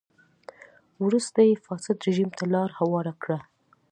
وروسته یې فاسد رژیم ته لار هواره کړه.